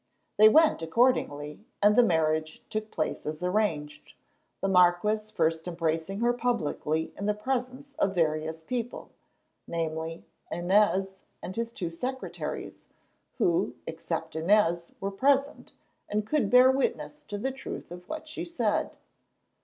They went accordingly, and the marriage took place as arranged, the marquis first embracing her publicly in the presence of various people—namely, Inez and his two secretaries, who, except Inez, were present, and could bear witness to the truth of what she said.